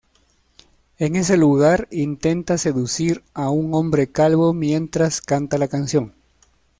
En ese lugar intenta seducir a un hombre calvo mientras canta la canción.